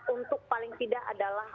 untuk paling tidak adalah